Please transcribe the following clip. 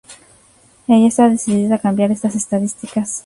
Ella está decidida a cambiar estas estadísticas.